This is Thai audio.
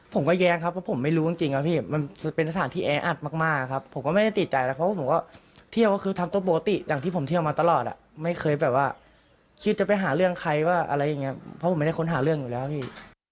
ผมก็แย้งครับเพราะผมไม่รู้จริงครับพี่มันเป็นสถานที่แออัดมากครับผมก็ไม่ได้ติดใจแล้วเพราะว่าผมก็เที่ยวก็คือทำตัวปกติอย่างที่ผมเที่ยวมาตลอดอ่ะไม่เคยแบบว่าคิดจะไปหาเรื่องใครว่าอะไรอย่างเงี้ยเพราะผมไม่ได้ค้นหาเรื่องอยู่แล้วพี่